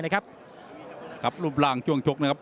รบร่างช่วงจุดนะครับ